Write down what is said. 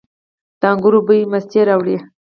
د انګورو بوی مستي راوړي.